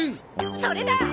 それだ！